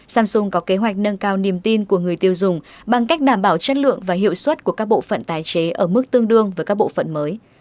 samsung có kế hoạch nâng cao niềm tin của người tiêu dùng bằng cách đảm bảo chất lượng và hiệu suất của các bộ phận tái chế ở mức tương đương với các bộ phận mới